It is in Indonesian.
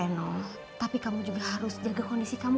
tapi kamu juga harus jaga kondisi kamu